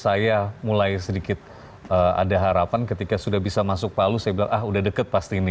saya mulai sedikit ada harapan ketika sudah bisa masuk palu saya bilang ah udah deket pasti ini